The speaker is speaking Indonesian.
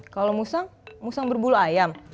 kalau musang musang berbulu ayam